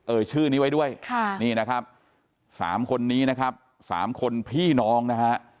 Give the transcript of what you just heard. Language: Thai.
ชื่อนี้ไว้ด้วยค่ะนี่นะครับสามคนนี้นะครับสามคนพี่น้องนะฮะ